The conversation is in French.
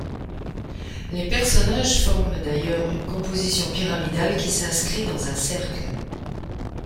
Les personnages forment d'ailleurs une composition pyramidale qui s'inscrit dans un cercle.